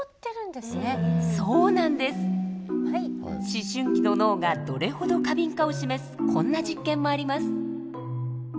思春期の脳がどれほど過敏かを示すこんな実験もあります。